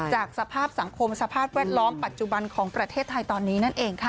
จากสภาพสังคมสภาพแวดล้อมปัจจุบันของประเทศไทยตอนนี้นั่นเองค่ะ